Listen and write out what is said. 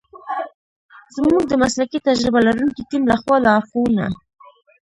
زمونږ د مسلکي تجربه لرونکی تیم لخوا لارښونه